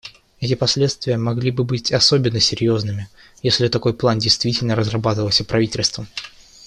Эти последствия могли бы быть особенно серьезными, если такой план действительно разрабатывался правительством.